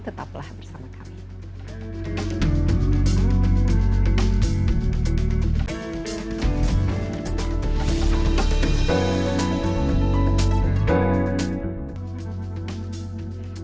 tetaplah bersama kami